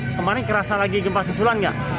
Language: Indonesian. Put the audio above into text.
kemarin kerasa lagi gempa susulan nggak